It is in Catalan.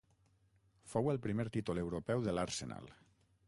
Fou el primer títol europeu de l'Arsenal.